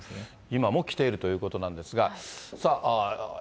今も来ているということなんですが。